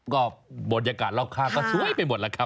ก็บทยากาศเราฆ่าตัวสวยไปหมดแล้วครับ